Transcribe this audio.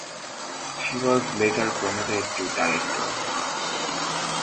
She was later promoted to Director.